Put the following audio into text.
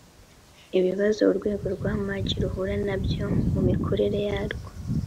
Ibibazo urwego rwa maj ruhura nabyo mu mikorere yarwo